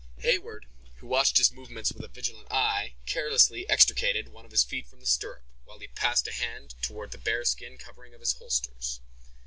Heyward, who watched his movements with a vigilant eye, carelessly extricated one of his feet from the stirrup, while he passed a hand toward the bear skin covering of his holsters.